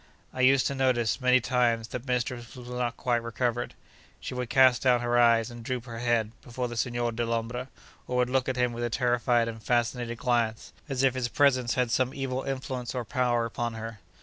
I used to notice, many times, that mistress was not quite recovered. She would cast down her eyes and droop her head, before the Signor Dellombra, or would look at him with a terrified and fascinated glance, as if his presence had some evil influence or power upon her.